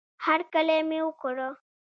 هرکلی مې وکړه